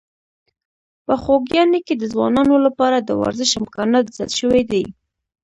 په خوږیاڼي کې د ځوانانو لپاره د ورزش امکانات زیات شوي دي.